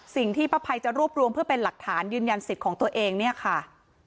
สิ่งที่ป้าภัยจะรวบรวมเพื่อเป็นหลักฐานยืนยันสิทธิ์ของตัวเองเนี่ยค่ะ